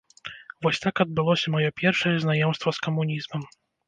Вось так адбылося маё першае знаёмства з камунізмам.